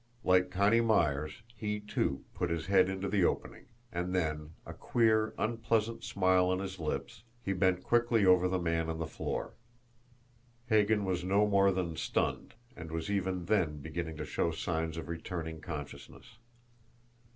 Like Connie Myers, he, too, put his head into the opening; and then, a queer, unpleasant smile on his lips, he bent quickly over the man on the floor. Hagan was no more than stunned, and was even then beginning to show signs of returning consciousness.